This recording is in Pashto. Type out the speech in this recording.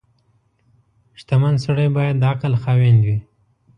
• شتمن سړی باید د عقل خاوند وي.